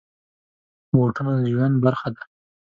بوټونه د ژوند برخه ده.